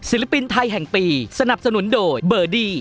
ปินไทยแห่งปีสนับสนุนโดยเบอร์ดี้